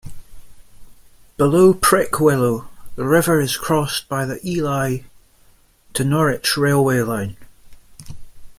Below Prickwillow, the river is crossed by the Ely to Norwich railway line.